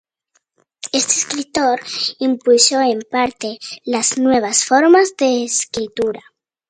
Este escritor impulsó en parte las nuevas formas de escritura.